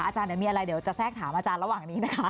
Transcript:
อาจารย์เดี๋ยวมีอะไรเดี๋ยวจะแทรกถามอาจารย์ระหว่างนี้นะคะ